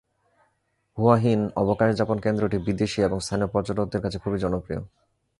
হুয়া হিন অবকাশযাপন কেন্দ্রটি বিদেশি এবং স্থানীয় পর্যটকদের কাছে খুবই জনপ্রিয়।